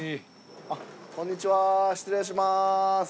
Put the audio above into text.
こんにちは失礼します。